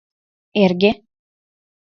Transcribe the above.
Эрге: